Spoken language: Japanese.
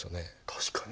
確かに。